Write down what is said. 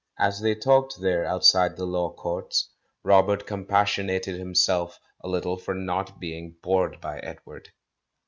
As they talked there, outside the Law Courts, Rob ert compassionated himself a little for not being bored by Edward.